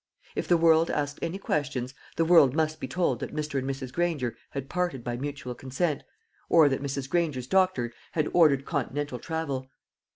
If the world asked any questions, the world must be told that Mr. and Mrs. Granger had parted by mutual consent, or that Mrs. Granger's doctor had ordered continental travel.